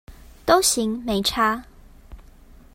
都行，沒差